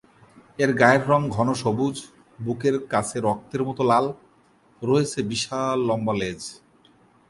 এর গায়ের রঙ ঘন সবুজ, বুকের কাছে রক্তের মত লাল, রয়েছে বিশাল লম্বা লেজ।